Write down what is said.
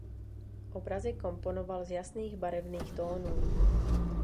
Obrazy komponoval z jasných barevných tónů.